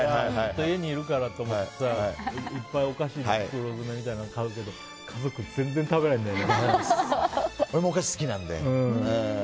家にいるからと思っていっぱい、お菓子の袋詰めみたいなの買うけど家族、全然食べないんだよね。